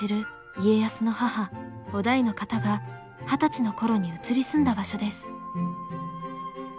家康の母於大の方が二十歳の頃に移り住んだ場所です。